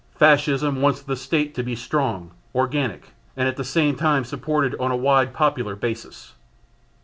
Fascism wants the State to be strong, organic and at the same time supported on a wide popular basis.